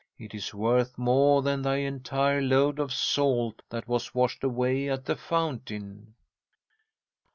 It is worth more than thy entire load of salt that was washed away at the fountain."